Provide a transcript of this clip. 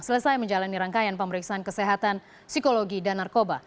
selesai menjalani rangkaian pemeriksaan kesehatan psikologi dan narkoba